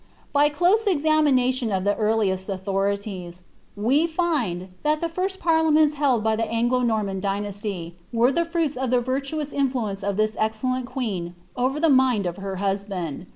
* By close examination of the earliest authorities, we find, that the first parlmments held by the Anglo Norman dynasty, were the fruits of the virtuous influence of this excellent queen over the mind of her husband.